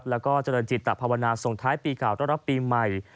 แล้วก็เจริญจิตภาวนาส่งท้ายปีเก่าต้อนรับปีใหม่